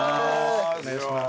お願いします。